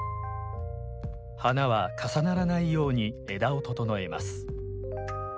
花は重ならないように枝を整えます。